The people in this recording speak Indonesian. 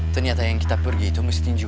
ternyata yang kita pergi itu mesti tinju